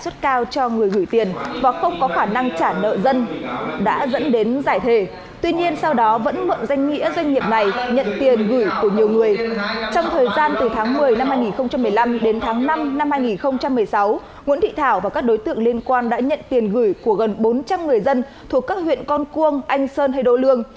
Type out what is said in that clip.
từ tháng một mươi năm hai nghìn một mươi năm đến tháng năm năm hai nghìn một mươi sáu nguyễn thị thảo và các đối tượng liên quan đã nhận tiền gửi của gần bốn trăm linh người dân thuộc các huyện con cuông anh sơn hay đô lương